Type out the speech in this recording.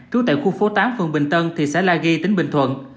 trú tại khu phố tám phường bình tân thị xã la ghi tỉnh bình thuận